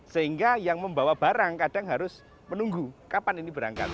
sehingga yang membawa barang kadang harus menunggu kapan ini berangkat